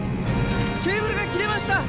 ケーブルが切れました！